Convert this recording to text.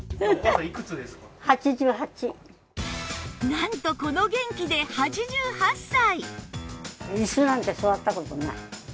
なんとこの元気で８８歳！